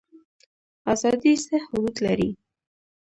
ازادي څه حدود لري؟